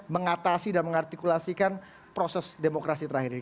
mengatasi dan mengartikulasikan proses demokrasi terakhir ini